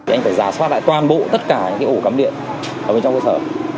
anh phải giả soát lại toàn bộ tất cả những ổ cắm điện ở bên trong cơ sở